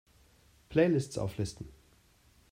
Playlists auflisten!